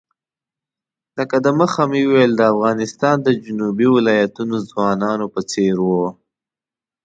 لکه د مخه مې وویل د افغانستان د جنوبي ولایتونو ځوانانو په څېر وو.